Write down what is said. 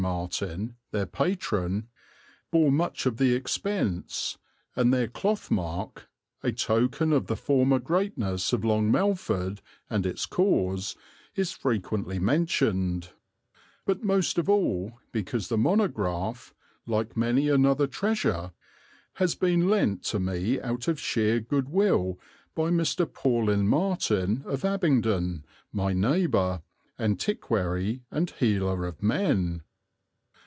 Martyn, their patron, bore much of the expense and their clothmark, a token of the former greatness of Long Melford and its cause, is frequently mentioned; but most of all because the monograph, like many another treasure, has been lent to me out of sheer goodwill by Mr. Paulin Martin, of Abingdon, my neighbour, antiquary and healer of men.